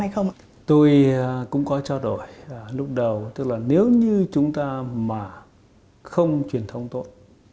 không truyền thông tội